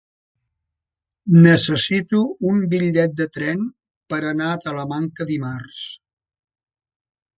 Necessito un bitllet de tren per anar a Talamanca dimarts.